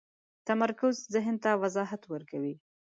تمرکز ذهن ته وضاحت ورکوي.